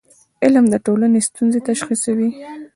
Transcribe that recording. علم د ټولنې ستونزې تشخیصوي.